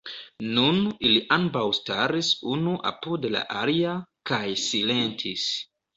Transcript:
Nun ili ambaŭ staris unu apud la alia, kaj silentis.